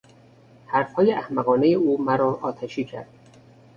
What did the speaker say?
حرفهای احمقانهی او مرا آتشی کرد.